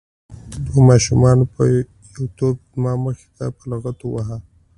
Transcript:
دوو ماشومانو یو توپ زما مخې ته په لغتو وواهه.